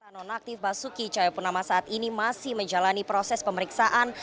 nonaktif basuki cahayapunama saat ini masih menjalani proses pemeriksaan